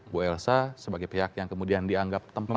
bu elsa sebagai pihak yang kemudian dianggap tempatnya